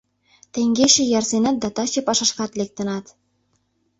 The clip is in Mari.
— Теҥгече ярсенат да таче пашашкат лектынат.